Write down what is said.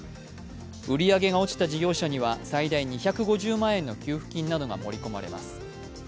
売り上げが落ちた事業者には最大２５０万円の給付金などが盛り込まれます。